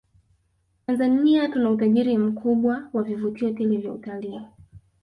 Tanzania tuna utajiri mkubwa wa vivutio tele vya utalii